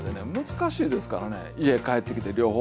難しいですからね家帰ってきて両方。